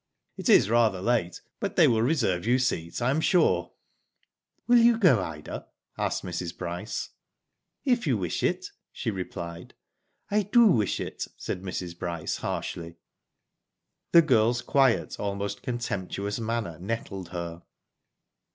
It is rather late, but they will reserve you seats I am sure." "Will you go, Ida," asked Mrs. Bryce. •* If you wish it," she replied. *'I do wish it," said Mrs. Bryce, harshly. The girFs quiet, almost contemptuous, manner nettled her.